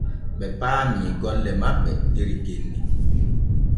Ɓe paami golle maɓɓe der genni.